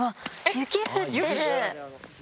雪？